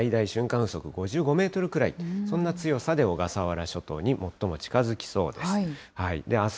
風速５５メートルくらい、そんな強さで小笠原諸島に最も近づきそうです。